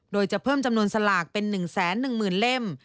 โดยจะเพิ่มจำนวนสลากเป็น๑๑๐๐๐เล่ม